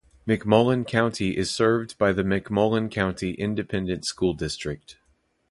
McMullen County is served by the McMullen County Independent School District.